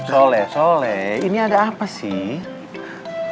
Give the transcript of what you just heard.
soleh soleh ini ada apa sih